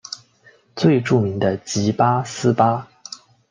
最著名的即八思巴。